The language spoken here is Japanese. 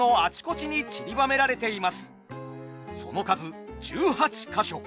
その数１８か所。